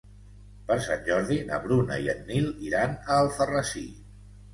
Per Sant Jordi na Bruna i en Nil iran a Alfarrasí.